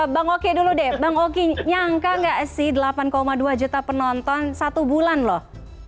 bang oki dulu deh bang oki nyangka gak sih delapan dua juta penonton satu bulan loh